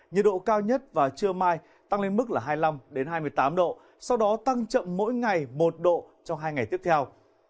nhiệt độ cao nhất và trưa mai tăng lên mức là hai mươi năm hai mươi tám độ sau đó tăng chậm mỗi ngày một độ trong hai ngày tiếp theo